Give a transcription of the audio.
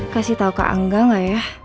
kasih tau kak angga gak ya